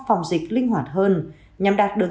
phòng dịch linh hoạt hơn nhằm đạt được